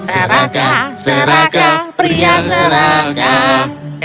serakah serakah pria serakah